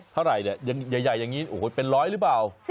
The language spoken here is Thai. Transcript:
เท่าไหร่เนี่ยใหญ่อย่างนี้โอ้โหเป็นร้อยหรือเปล่า